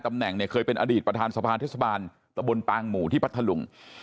ตำแหน่งเนี่ยเคยเป็นอดีตประธานสภาเทศบาลตะบนปางหมู่ที่พัทธลุง